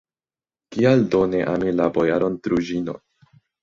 Kial do ne ami la bojaron Druĵino?